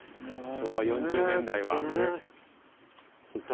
昭和４０年代は。